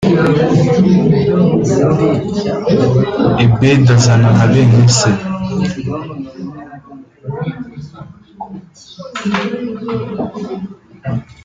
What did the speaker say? Ebedi azana na bene se.